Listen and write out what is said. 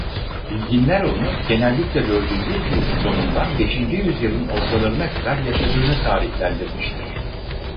Bilginler onu genellikle dördüncü yüzyılın sonundan beşinci yüzyılın ortalarına kadar yaşadığını tarihlendirmiştir.